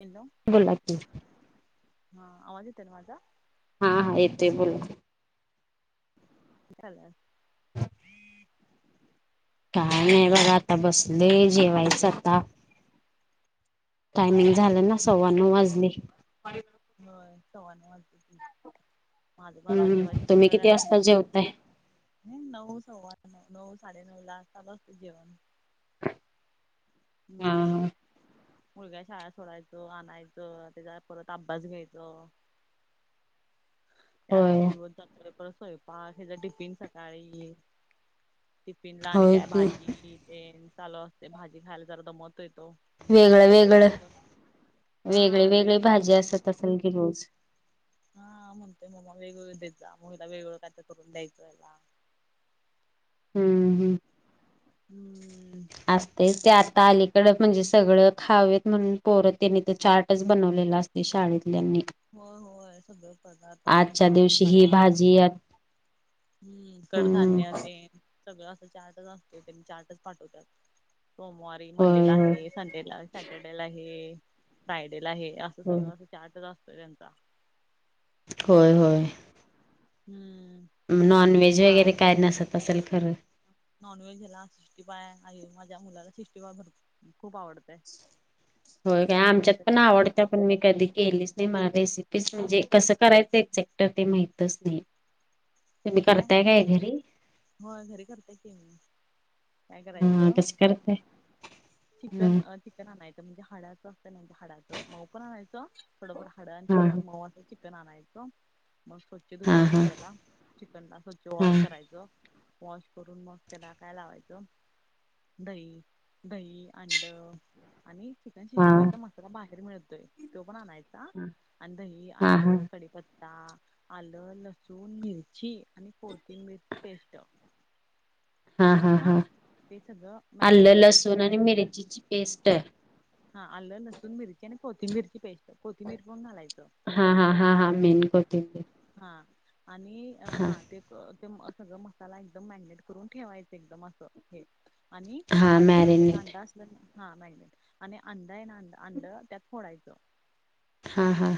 Hello बोला की हा आवाज येतोय न माझा? हां हां येतोय बोला. हॅलो [inaudible] काय नाही बघा आता बसले जेवायचं आता. टायमिंग झालं ना सव्वा नऊ वाजले. होय सव्वानऊ वाजले. माझं म आता हम्म जेवायचं थोड्या तुम्ही किती वेळात. वाजता जेवताय हे नऊ सव्वा नऊ नऊ साडेनऊ ला चालू असतं जेवण. हा हम्म मुलग्याला शाळेत सोडायच आणायचं त्याच्या परत अभ्यास घ्यायच. ते आतच होय दिवस जाते परत स्वयंपाक ह्याचा टिफिन सकाळी. टिफिन ला आणि होय काय की भाजी ते चालू असते भाजी खायला जरा दमतोय तो. वेगळं वेगळं गप्प बस. वेगळी हा वेगळी वेगळं भाजी असत असल की रोज. हा म्हणतोय मला वेगवेगळ देत जा मुगला वेगळं काय करून द्यायचं याला. हम्म हम्म हम्म असते ते आता अलीकड म्हणजे सगळं खावेत म्हणून पोर त्याने ते चार्टच बनवलेलं असत. शाळेतल्यां हो होय सगळे पदार्थ, भाजीपाला. जी हम्म कडधान्य ते सगळं असं चार्टच असतोय ते मी चार्टच पाठवतात सोमवारी होय मंडेला होय आहे. संडेला सॅटर्डेला आहे फ्रायडेला आहे असं सगळं असं चार्टच असतो त्यांचा. होय होय हम्म नॉन व्हेज वगैरे काय नसत असल खरं. नॉन व्हेज ह्याला सिक्स्टी फाय आहे माझ्या मुलाला सिक्स्टी फाय भर खूप आवडतं. होय काय आमच्यात पण काय आवडते. पण मी कधी केलीच नाही मला रेसिपी म्हणजे कसं करायचं एक्झॅक्ट ते माहितच नाही. [inaudible] तुम्ही करताय काय घरी? होय घरी करते की मी. काय हा करायचं कसं करताय? चिकन अ हा चिकन आणायचं. म्हणजे हडाचं असत नाही हडाचं मऊ पण आणायच थोडफार हाडं आणि थोडंफार हा मऊ चिकन आणायचं मग स्वच्छ हा धुवायचं हा त्याला. चिकन ला स्वच्छ हा वॉश करायचं वॉश करून मग त्याला काय लावायचं. दही दही अंड आणि चिकन हा सिक्स्टी फाय चा मसाला बाहेर मिळतोय तो पण आणायचा. दही, हा अंड, हा कडीपत्ता, आलं, लसूण मिरची आणि कोथांबीर ची पेस्ट हा हा हा ते सगळं मॅरिनेट आलं करायचं लसूण आणि मिरचीची पेस्ट हा आलं लसूण मिरची आणि कोथिंबीरची पेस्ट कोथिबीर पण घालायचं. हा हा हा हा मेन कोथिंबीर हा आणि हा ते ते सगळं मसाला एकदम मॅरिनेट करून ठेवायचं एकदम असं हे आणि हा अंडं एक मॅरिनेट अंडा असं हा मॅरीनेट आणि अंड आहे ना अंड त्यात फोडायचं. हा हां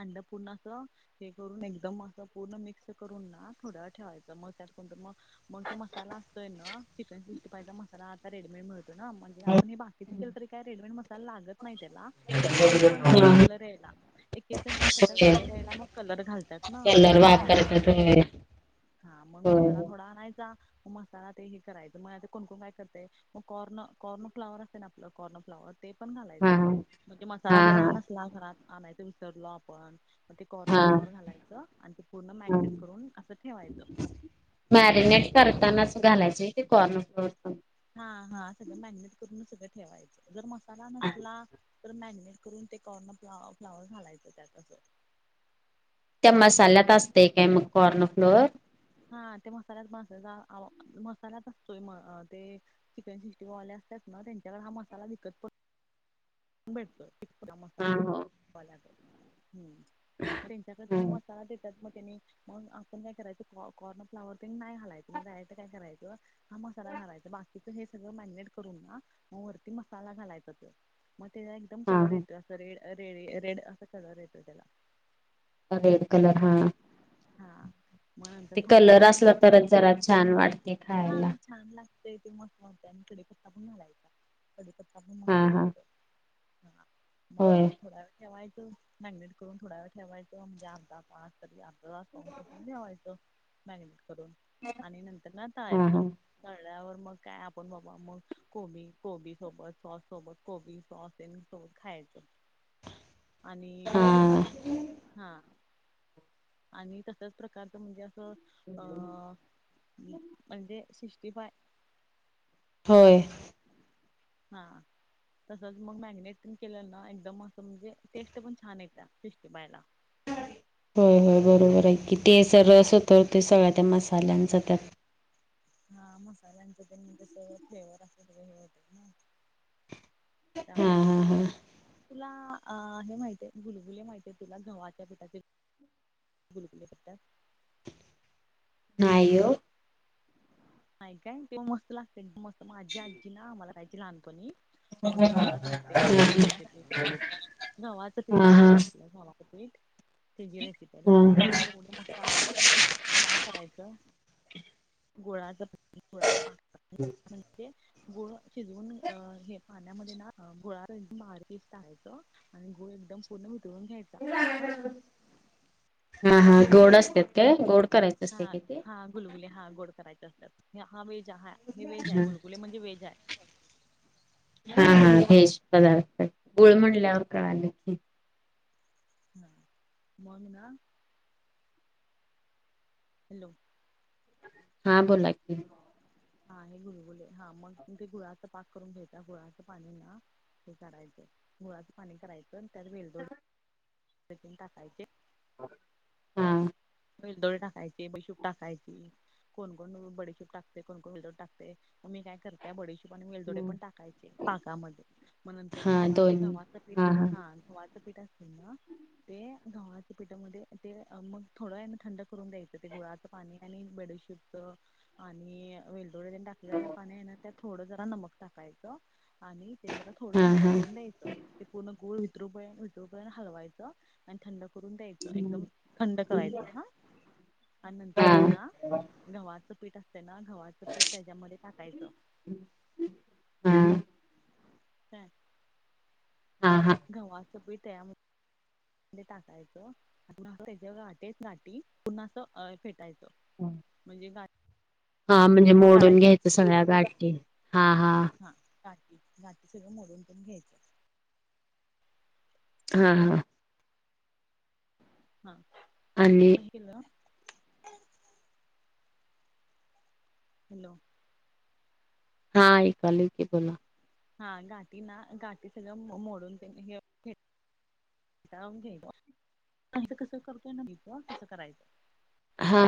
अंड पूर्ण असं हे करून एकदम असं पूर्ण मिक्स करून ना थोडं वेळ ठेवायचं मग त्यातं मग मग ते मसाला असतोय ना चिकन सिक्स्टी फायचा मसाला आता रेडीमेड मिळतो. ना म्हणजे आपण हे बाकीच केलं तरी काय रेडीमेड मसाला लागत नाही त्याला तरी पण म्हणजे [unintelligible] कलर यायला. एक एक जण काय करतात कलर यायला मग कलर घालतात ना रेड कलर ते न वापरतात असं. होय. हा मग मसाला होय थोडा आणायचा म मसाला ते हे करायच मग आता कोणकोण काय करते. मग कॉर्न कॉर्न फ्लावर असे ना आपलं कॉर्न फ्लावर. ते पण हा घालायचं हा म्हणजे मसाला हा जरा हा नसला घरात आणायच विसरलो आपण मग ते कॉर्न हा फ्लावर घालायचं आणि ते पूर्ण हा मॅगिनेट करून असं ठेवायचं. मॅरिनेट करताना अस घालायचे ते कॉर्न फ्लोअर पण हा हा सगळं मॅगिनेट करून सगळं ठेवायचं जर मसाला नसला. तर मॅरिनेट करून ते कॉर्न फ् फ्लावर घालायचं त्यातं त्या मसाल्यात असते काय मग कॉर्न फ्लोअर हा ते मसालात पण असत मसालाच असतोय म ते चिकन सिक्स्टी फाय वाले असतात ना त्यांच्याकडे हा मसाला विकत पन भेटतो हा मसाला हो वाल्याकडे त्याच्याकडे त्यांनी मसा हा देतात ना त्यानी मग आपण काय करायचं कॉर्न फ्लावर तेन नाही घालायचं मग डायरेट काय करायचं. हा मसाला घालायचा बाकीच हे सगळं मॅरिनेट करून ना वरती मसाला घालायचं त्यो मग त्याला एकदम हा कलर येतो हा असं रेड रेड रेड असा कलर येतो त्याला रेड कलर हा. हा म्हणून तर ते थोड्या कलर वर असला नाही तरच जरा छान वाटते हा खायला छान लागते ते मस्त मते आणि कडेपत्ता पण घालायचा कडेपत्ता पण हा मस्त हा लागतो. हा मग होय थोडा ठेवायचं मॅग्नेट करून थोड्या वेळ ठेवायचं म्हणजे अर्धा तास तरी अर्ध तास पाऊन तास ठेवायचं. मॅगनेट करून आणि नंतर ना हा तळायच. हा तळल्यावर मग काय आपण बाबा मग कोबी कोबी सोबत सॉस सोबत कोबी सॉसन सो खायच आणि हा हा आणि तसच प्रकारचं म्हणजे असं अ म्हणजे सिक्स्टी फाय होय. हा. तसंच मग मॅगिनेट पण केलं ना एकदम असं म्हणजे टेस्ट पण छान य त्या सिक्स्टी फाय ला. होय होय बरोबर आहे कि ते स रस होतो त सगळ्या त्या मसाल्यांचा त्यात हा मसाल्यांच तेन कस फ्लेवर असे वेगवेगळे हो ना. त्या हा मूळ. हा हा तुला अ हे माहितीय भुलभुले माहिितय तुला गव्हाच्या पिठाचे गुलकुले प नाहीो. नाही काय तेव्हा मस्त लागते एकदम मस्त माझी आजी ना आम्हाला कायज लहानपणी मग मी तुला सांगते काय हा त्याची रेसिपी गव्हाचं पीठ हा असते ना हा आपलं गववा्हाचं पीठ हे जी रेसिप आहे लहान मुलांना तर एवढ्या मस्त आवडत्या काय करायचं. गुळाचळाच पा म्हणजे गुळ शिजवून हे पाण्यामध्ये ना गुळा मार पीस टहायचं. आणि गूळ एकदम पूर्ण भितळून खेळता हा. हा हा गोड असत काय गोड करायचं हा असते कि ते हा गुलगुले हा गोड करायचे असतात हे हा वेज हा हे वेज आहे हा गुलगुले म्हणजे वेहेज आहे. हा हा हेच पदार्थ गुळमडल्यावर कळालं की ह मंगना. हॅलो. हा बोला की हा हे गुरु बले हा मग ते गु पाक करून घ्यायचा गुळाचं पाणी ना हे काढायचं हुळाचं पाणी करायचं. बेलदोड तन टाकायचे. हम्म. बैलदोळे टाकायचे बैशूप टाकायचे. कोणकण बडी खिप टाकते कोण कोण विड टाकते मग मी काय करते. त्या बड हिशोबाने मिेलदोडे पण टाकायचे पाकामध्ये मग नंतर हा ना ना ते दोन गव्हाचं पीठ हा गव्हाचं पीठ असे ना. ते गावाच्या पिठामध्ये ते मग थोडंना थंड करून द्यायचं ते गुळाचं पाणी आणि बेडू शत आणि वेलदो टाकलेलं पाणी आहे ना त्या थोडं जरा नमक टाकायचं. आणि ते जरा थोडं हा थंड हा करून द्यायचं ते पूर्ण गूळ वितरू पय वितरू पर्यंत हलवायचं. आणि थंड करून द्यायचं एकदम थंड हा नर गव्हाच पीठ असत ना गव. त्याच्यामध्ये टाकायचं हा का? हा हा. घवा असं प त्याया. टाकायचं त्याच्या घाटेच गाटी पुन्हा असं फेटायचं. हम. म्हणजे गा. हा म्हणजे मोडून घ्यायचं सगळ्या गटी हा हा. हा घाटी घाटी सगं मोडून पण घ्यायचं. हा हा. हा नाटक आणि नाही केल. हॅलो. हा एकली की बोला. हा घाठीी ना घाटी सगळं मोडून घ्याय कसं करतोय ना मी कसं करायचं. हा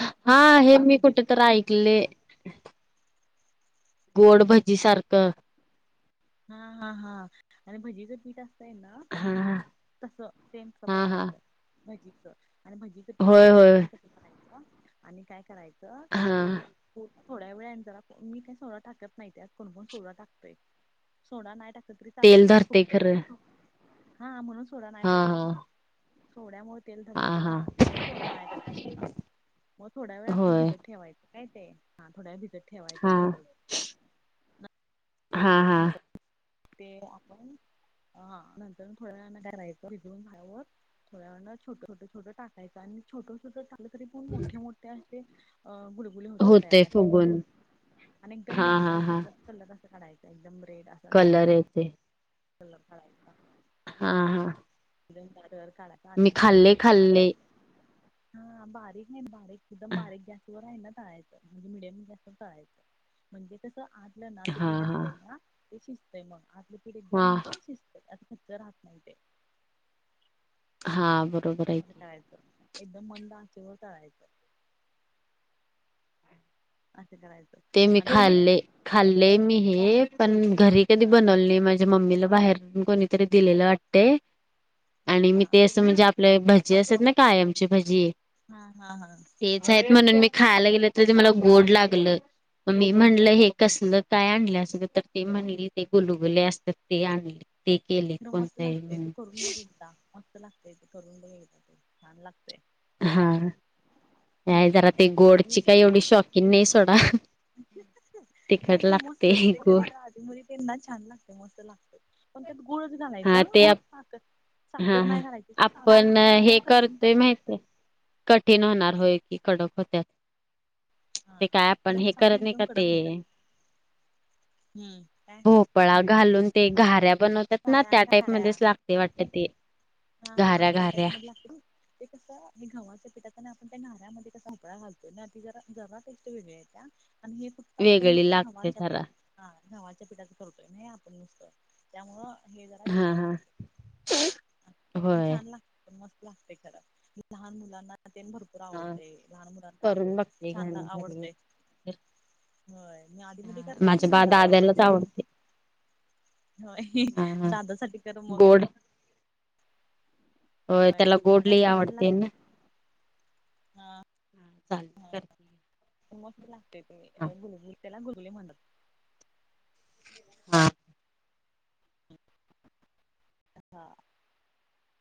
हा हा भजी हे मी भजी कुठेतरी ऐकले. गोडभजी सारखं. हा हा हा आणि भजीचच मीठ असतय ना. हा हा तस तेेमच हा हा प्रकारच भजीचं आणि भजीचं पीठ होय जेवढं असत होय तसं करायचं आणि काय करायचं. हा ते थोड्या वेळ जराण मी काही सोळां टाकत नाही आज कोणकण सोळा टाकतोय. सोडा नाही टाकल तरी तेल चालतंय. ते धरते फुगतंय ना खरं मग. हा म्हणून सोडा नाही हा टाकायचा. हा सोड्या मुळ तेल धरतेय हा ना. हा त्यामुळे सोडा नाही टाकायचा. मग थोड्या वेळ असल होय भिजत ठेवायचं. काय ते. हा थोड्या भिजत ठेवायचं हा तसंच. हा हा. नंतर ते आपण. ह नंतरुन थोड्या वेळान काय करायचं भिजून झाल्यावर. थोड्या वेळानं छोट छोट छोट टाकायचं. आणि छोट छोट टा तरी पण मोठे मोठे असे. गुल खुले होतात होते तयार असे. फुगून आणि एकदम हा लाल हा लाल हा कलर अस काढायचा. एकदम रेड अस. कलर येते. कळा हा हा आणि मी एकदम खाल्ले बारीक खाल्ले हा. बारीकेना बारीक, एकदम बारीक गॅसवर आहे ना. तळायच. म्हणजे मडियम गॅस व तळायचं. म्हणजे कसं आतलंय ना. ते हा पीठ हा असत ना. ते शिजतय मग. आ आपले पीठ एकदम वा म्हणजे शिजत आस कच्च राहत नाही ते. हा बरोबरे. तळायच एकदम मंद आचेवर तळायच. असं करायचं. ते मी आणि हा खाल्ले, खाल्लेय मी हे, पण घरी कधी हा बनवले नाही. माझ्या मम्मीला बाहेर कोणीतरी दिलेलं. वाट ते. [unintelligible] आणि मी ते असं म्हणजे, आपल्या भजी असतात ना. कायमची भजी. हा हा ह. तेच आहेत म्हणून मी खायला गेलं. तर ते मला गोड लागलं. मग मी म्हणलं हे कसल काय आणलं असगं. तर ते म्हणली. ते गोलुगुले असतात. ते आणले. ते केले खर मस्त कोणतही लागतय म्हण. ते करून बघ एकदा मस्त लागते ते. करून बग एकदा ते. छान लागतय. हा. जरा हम्म ते आणि गोडची काही एवढी शॉकीन नाही सोडा. नाही तिकट खर मस्त लागते. लागतय कधी गोड तर आधी त्यांना छान लागते. मस्त लागते. पण त्यात गुळच घालायचा. हा ते ह साख हा हा आपण हे कठीण करतोय पणा येतो माहितय. कठीण होणार होय. ती कडक होत्यात. ते हा काय आपण कडक हे साखर करत नाही का एकदम ते. कडक होतात हम्म. काय? भोपळा घालून ते घऱ्या बनवतात ना. खाऱ्या त्या खाऱ्या टाईपमध्येच लागत. ते वाटत ते. हा हा. घाऱ्या त्या टाइप घाऱ्या मध्ये लागते. ते कसं हे घव्हाच्या पिठाते ना. आपण त्या घारऱ्यामध्ये कसा भोपळा घालतो ना. त जरा जरात वेगळे आहे त्या. आणि हे फक्त आपण वेगळी नुसतं लागते गव्हाच्या पी जरा. हा गव्हाच्या पीठाच ठरतोय ना हे. आपण नुसतं. त्यामुळं हे जरा वेगळ लागत. हम [unintelligible] पण छान लागत. मस्त लागते खर. लहान मुलांना ते भरपू पूर हा आवडते. लहान मुलांना करून बघते छान घाण ला घरी. आवडतेय. होय. मी आधीमध्ये करते माझ्या मी. बा मुलाला दाद्यालाच आवडते म्हणून. होय. हा हा दादासाठी कर मग. गोड. होय. त्याला गोड लई नाही आवडते ना. हा. [unintelligible] मस्त लागते ते हा गुलगली. त्याला गुलगुली म्हणत. हा. [unintelligible]